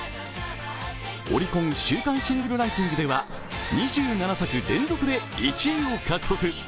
オリコン週間シングルランキングでは２７作連続で１位を獲得。